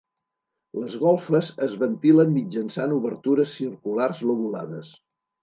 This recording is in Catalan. Les golfes es ventilen mitjançant obertures circulars lobulades.